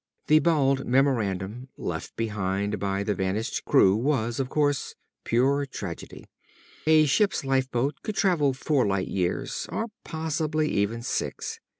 The bald memorandum left behind the vanished crew was, of course, pure tragedy. A ship's lifeboat could travel four light years, or possibly even six.